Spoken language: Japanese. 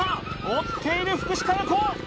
追っている福士加代子